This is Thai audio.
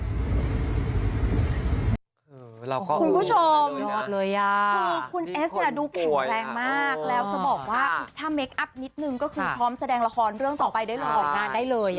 คุณผู้ชมคือคุณเอสเนี่ยดูแข็งแรงมากแล้วจะบอกว่าถ้าเคคอัพนิดนึงก็คือพร้อมแสดงละครเรื่องต่อไปได้เลยออกงานได้เลย